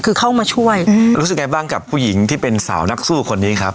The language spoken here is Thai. คือเข้ามาช่วยอืมรู้สึกไงบ้างกับผู้หญิงที่เป็นสาวนักสู้คนนี้ครับ